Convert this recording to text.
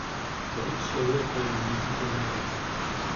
بە هیچ شێوەیەک لە ئینگلیزی تێناگەن.